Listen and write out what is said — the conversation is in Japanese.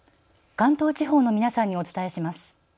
関東地方の皆さんにお伝えします。